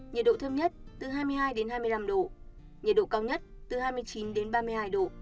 nhiệt độ thấp nhất từ hai mươi hai đến hai mươi năm độ nhiệt độ cao nhất từ hai mươi chín đến ba mươi hai độ